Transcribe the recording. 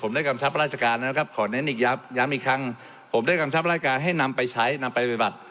ได้กำชับราชการนะครับขอเน้นอีกย้ำย้ำอีกครั้งผมได้กำชับราชการให้นำไปใช้นำไปปฏิบัติ